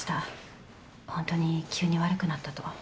ホントに急に悪くなったと。